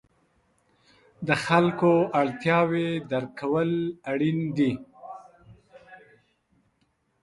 د خلکو اړتیاوې درک کول اړین دي.